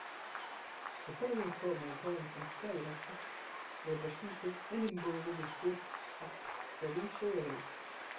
The following former Warriston players have represented Edinburgh District at provincial level.